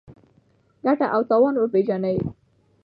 ګټه او تاوان وپېژنئ.